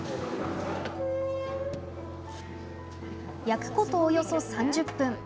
焼くこと、およそ３０分。